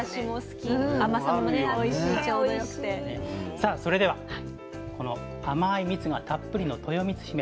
さあそれではこの甘い蜜がたっぷりのとよみつひめ。